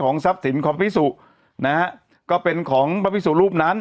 ของทรัพย์สินของพระภิกษุนะฮะก็เป็นของพระภิกษุรูปนั้น